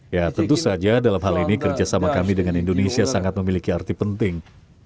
ya tentu saja dalam hal ini kerjasama kami dengan indonesia sangat memiliki arti penting